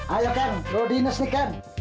ayo ken lu dinas nih ken